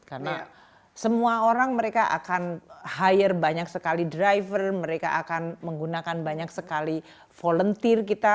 karena semua orang mereka akan hire banyak sekali driver mereka akan menggunakan banyak sekali volunteer kita